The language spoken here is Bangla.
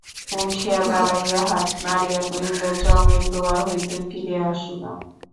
উঠিয়া দাঁড়াইয়া হাত নাড়িয়া কহিল, যমের দুয়ার হইতে ফিরিয়া আসিলাম।